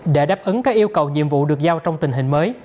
để đáp ứng các yêu cầu nhiệm vụ được giao trong tình hình mới